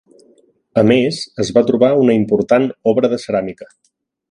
A més, es va trobar una important obra de ceràmica.